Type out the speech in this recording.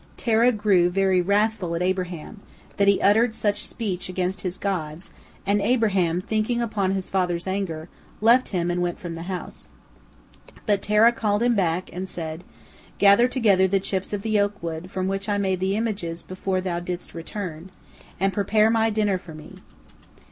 Terah grew very wrathful at Abraham, that he uttered such speech against his gods, and Abraham, thinking upon his father's anger, left him and went from the house. But Terah called him back, and said, "Gather together the chips of the oak wood from which I made images before thou didst return, and prepare my dinner for me."